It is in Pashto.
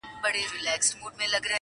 د غوجلې صحنه يادېږي بيا بيا,